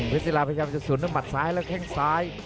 ศิลาพยายามจะสวนด้วยหมัดซ้ายและแข้งซ้าย